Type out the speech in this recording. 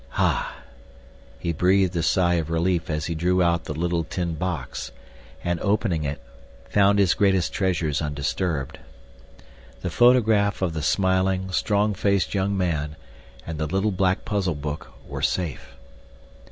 Ah! He breathed a sigh of relief as he drew out the little tin box, and, opening it, found his greatest treasures undisturbed. The photograph of the smiling, strong faced young man, and the little black puzzle book were safe.